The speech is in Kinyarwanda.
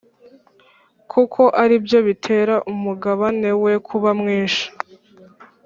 kuko ari byo bitera umugabane we kuba mwinshi,